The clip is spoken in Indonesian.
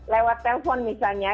lewat telepon misalnya